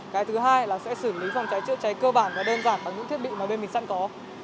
cái thứ hai là sẽ xử lý phòng cháy chữa cháy cơ bản và đơn giản bằng những thiết bị mà bên mình sẵn có